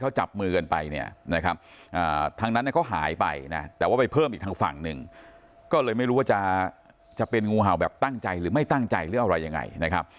เขาจับมือกันไปเนี่ยนะครับทางนั้นก็หายไปนะแต่ว่าไปเพิ่มอีกทางฝั่งหนึ่งก็เลยไม่รู้ว่าจะเป็นงูเห่าแบบตั้งใจหรือไม่ตั้งใจหรืออะไรยังไงนะครับ